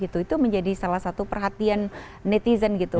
itu menjadi salah satu perhatian netizen gitu